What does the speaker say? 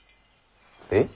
えっ？